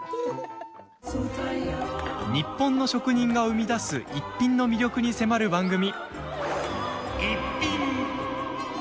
日本の職人が生み出すイッピンの魅力に迫る番組。